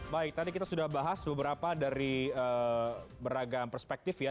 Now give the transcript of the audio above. baik tadi kita sudah bahas beberapa dari beragam perspektif ya